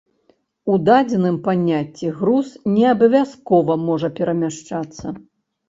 У дадзеным паняцці груз не абавязкова можа перамяшчацца.